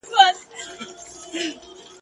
دا خبره هم پر ژبه سم راوړلای !.